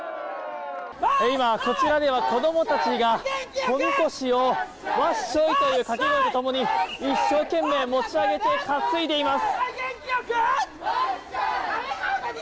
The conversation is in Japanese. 今、こちらでは子どもたちがおみこしをわっしょいという掛け声とともに一生懸命持ち上げて担いでいます。